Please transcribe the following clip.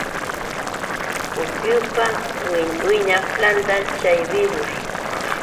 Pukyupa wiñaq planta chay birrus.